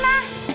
saya dari rumah